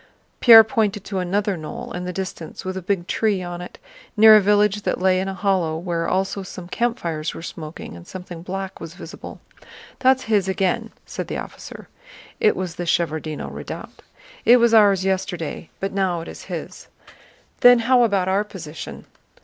Pierre pointed to another knoll in the distance with a big tree on it, near a village that lay in a hollow where also some campfires were smoking and something black was visible. "That's his again," said the officer. (It was the Shevárdino Redoubt.) "It was ours yesterday, but now it is his." "Then how about our position?"